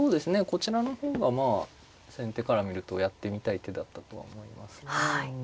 こちらの方がまあ先手から見るとやってみたい手だったとは思いますね。